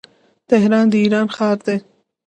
تهران د ايران ښار دی.